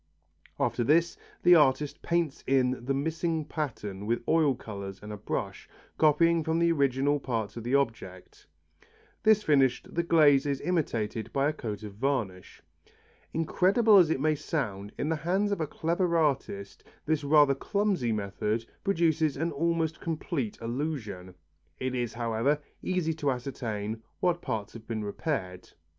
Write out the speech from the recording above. After this the artist paints in the missing pattern with oil colours and a brush, copying from the original parts of the object. This finished, the glaze is imitated by a coat of varnish. Incredible as it may sound, in the hands of a clever artist this rather clumsy method produces an almost complete illusion. It is, however, easy to ascertain what parts have been repaired.